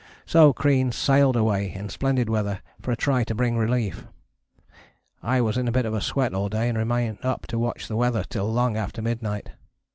So Crean sailed away in splendid weather for a try to bring relief. I was in a bit of a sweat all day and remained up to watch the weather till long after midnight.